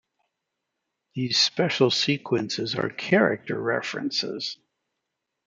These special sequences are "character references".